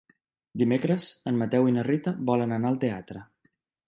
Dimecres en Mateu i na Rita volen anar al teatre.